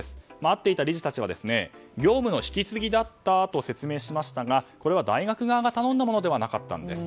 会っていた理事たちは業務の引き継ぎだったと説明しましたがこれは大学側が頼んだものではなかったんです。